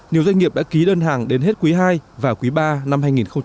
nhiều doanh nghiệp đã ký đơn hàng đến hết quý hai và quý ba năm hai nghìn một mươi tám